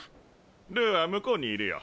ルーは向こうにいるよ。